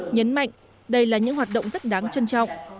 nhấn mạnh đây là những hoạt động rất đáng trân trọng